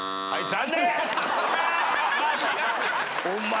残念！